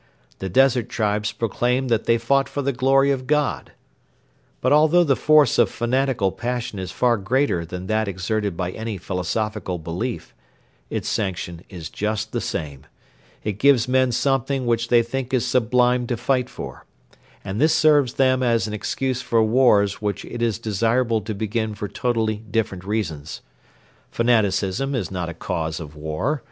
The desert tribes proclaimed that they fought for the glory of God. But although the force of fanatical passion is far greater than that exerted by any philosophical belief, its sanction is just the same. It gives men something which they think is sublime to fight for, and this serves them as an excuse for wars which it is desirable to begin for totally different reasons. Fanaticism is not a cause of war.